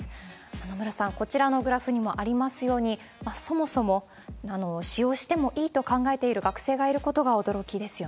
野村さん、こちらのグラフにもありますように、そもそも使用してもいいと考えている学生がいることが驚きですよ